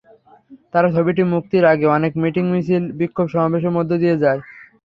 তাঁর ছবিটি মুক্তির আগে অনেক মিটিং, মিছিল, বিক্ষোভ-সমাবেশের মধ্য দিয়ে যায়।